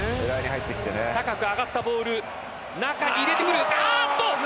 高く上がったボール中に入れてくるあっと！